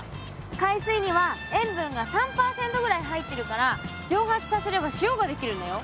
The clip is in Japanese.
海水には塩分が３％ぐらい入ってるから蒸発させれば塩が出来るんだよ。